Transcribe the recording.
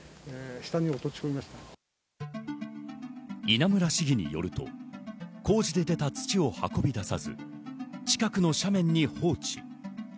稲村市議によると、工事で出た土を運び出さず、近くの斜面に放置。